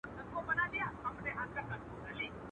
د وروستي مني مي یو څو پاڼي پر کور پاته دي.